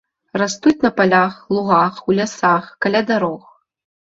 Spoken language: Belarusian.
Растуць на палях, лугах, у лясах, каля дарог.